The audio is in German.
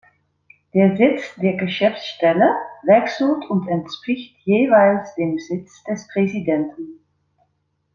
Der Sitz der Geschäftsstelle wechselt und entspricht jeweils dem Sitz des Präsidenten.